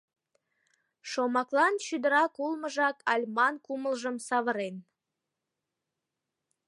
Шомаклан чӱдырак улмыжак Альман кумылжым савырен.